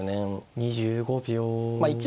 ２５秒。